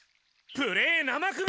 プレー生首！